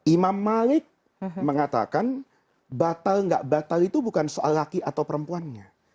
imam malik mengatakan batal nggak batal itu bukan soal laki atau perempuannya